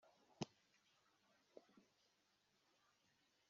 imbarutso: ku mutego ni akantu inyamaswa ikoma umutego ugahita uyifata.